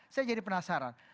saya jadi penasaran